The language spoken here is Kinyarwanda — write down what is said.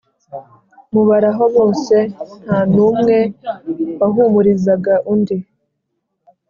mubaraho bose ntanumwe wahumurizaga undi